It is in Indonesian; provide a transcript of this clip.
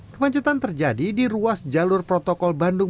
kemacetan terjadi di ruas jalur protokol bandung